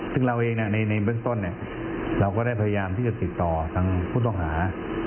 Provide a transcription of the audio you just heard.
ซึ่งเราเองในเบื้องต้นเราก็ได้พยายามที่จะติดต่อทางผู้ต้องหา